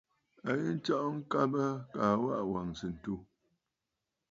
A yi nstsɔʼɔ ŋkabə kaa waʼà wàŋsə̀ ǹtu.